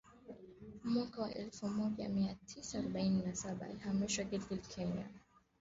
Mwaka elfu moja mia tisa arobaini na saba alihamishiwa Gilgil Kenya